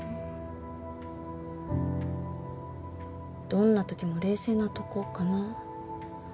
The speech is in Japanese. どんなときも冷静なとこかな。